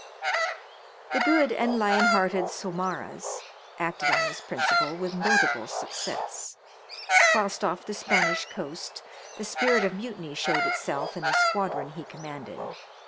The good and lion hearted Saumarez acted on this principle with notable success. Whilst off the Spanish coast the spirit of mutiny showed itself in the squadron he commanded.